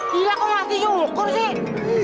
gila kok ngasih cukur sih